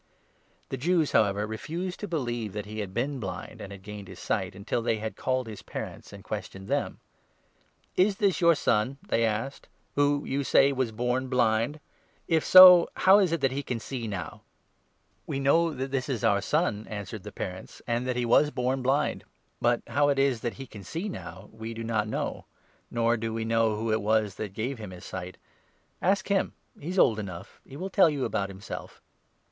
The Jews, however, refused to believe that he had been 18 blind and had gained his sight^^|^^hey had called his parents and questioned them. ^^^BBk. " Is this your son," they asker^H^io ;, you say was born 19 blind ? If so, how is it that he can see now ?" "We know that this is our son," answered the parents, 20 "and that he was born Wind ; but how it is that he can see 21 now we do not know ; nor do we know who it was that gave him his sight. Ask him — he is old enough — he will tell you about himself."